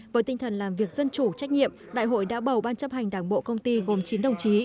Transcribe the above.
với tinh thần làm việc dân chủ trách nhiệm đại hội đã bầu ban chấp hành đảng bộ công ty gồm chín đồng chí